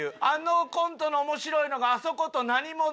あのコントの面白いのがあそこと。